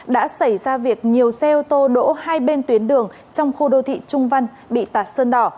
đã xảy ra việc nhiều xe ô tô đỗ hai bên tuyến đường trong khu đô thị trung văn bị tạt sơn đỏ